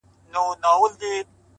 پوهه د راتلونکي دروازې پرانیزي.!